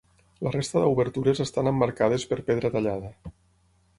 La resta d'obertures estan emmarcades per pedra tallada.